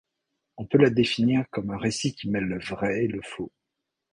On peut la définir comme un récit qui mêle le vrai et le faux.